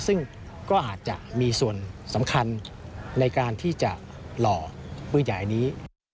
ซึ่งก็อาจจะมีส่วนสำคัญในการที่จะหล่อปืนใหญ่นี้